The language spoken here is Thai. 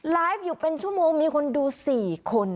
ไลฟ์อยู่เป็นชั่วโมงมีคนดู๔คน